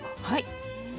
はい。